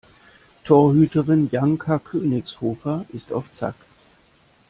Torhüterin Janka Königshofer ist auf Zack.